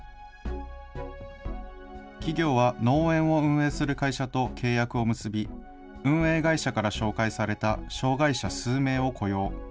企業は農園を運営する会社と契約を結び、運営会社から紹介された障害者数名を雇用。